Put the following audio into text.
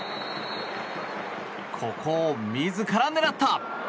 ここを自ら狙った！